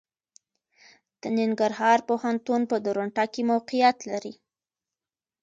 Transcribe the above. د ننګرهار پوهنتون په درنټه کې موقعيت لري.